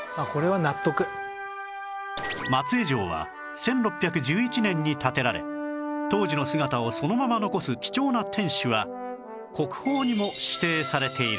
松江城は１６１１年に建てられ当時の姿をそのまま残す貴重な天守は国宝にも指定されている